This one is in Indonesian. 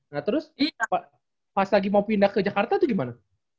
nah terus pas lagi mau pindah ke jakarta tuh gimana